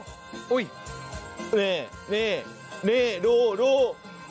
นี่นี่นี่ดูดู